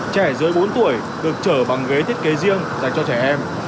trẻ dưới bốn tuổi được trở bằng ghế thiết kế riêng dành cho trẻ em